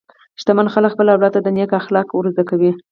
شتمن خلک خپل اولاد ته نېک اخلاق ورزده کوي.